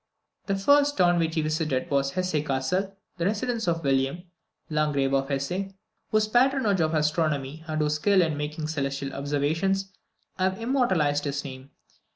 The first town which he visited was Hesse Cassel, the residence of William, Landgrave of Hesse, whose patronage of astronomy, and whose skill in making celestial observations, have immortalized his name.